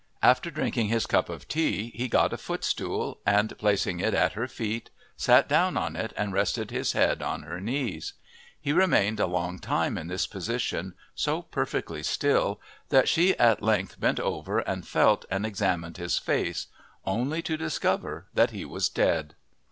After drinking his cup of tea he got a footstool, and placing it at her feet sat down on it and rested his head on her knees; he remained a long time in this position so perfectly still that she at length bent over and felt and examined his face, only to discover that he was dead.